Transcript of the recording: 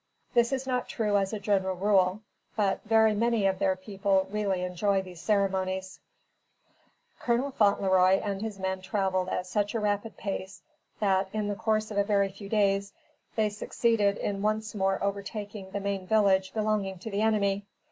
This is not true as a general rule; but, very many of their people really enjoy these ceremonies. [Illustration: INDIAN WAR DANCE.] Colonel Fauntleroy and his men traveled at such a rapid pace, that, in the course of a very few days, they succeeded in once more overtaking the main village belonging to the enemy.